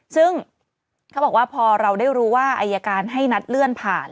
ซึ่งเขาบอกว่าพอเราได้รู้ว่าอายการให้นัดเลื่อนผ่าน